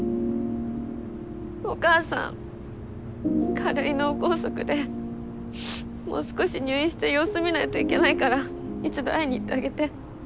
お母さん軽い脳梗塞でもう少し入院して様子見ないといけないから一度会いに行ってあげて。